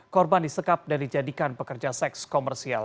korban disekap dan dijadikan pekerja seks komersial